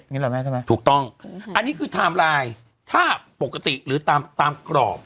นี่แหละแม่ใช่ไหมถูกต้องอันนี้คือไทม์ไลน์ถ้าปกติหรือตามตามกรอบ